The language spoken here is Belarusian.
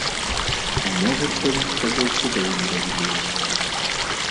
А моладзь паміж сабой цудоўна разумеецца.